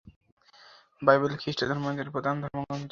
Bible খ্রিস্ট ধর্মাবলম্বীদের প্রধান ধর্মগ্রন্থ।